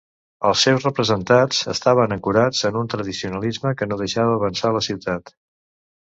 Els seus representats estaven ancorats en un tradicionalisme que no deixava avançar la ciutat.